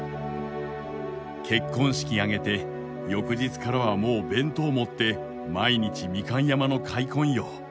「結婚式あげて翌日からはもう弁当もって毎日みかん山の開墾よ。